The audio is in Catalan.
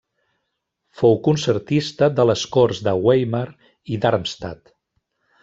Fou concertista de les corts de Weimar i Darmstadt.